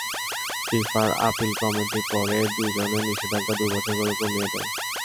ফিফার appeal committee পরে দুজনের নিষেধাজ্ঞা দুই বছর করে কমিয়ে দেয়।